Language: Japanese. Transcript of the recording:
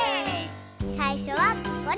さいしょはこれ。